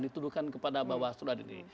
dituduhkan kepada bawaslu adini